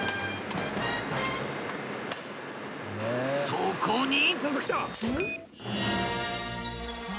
［そこに］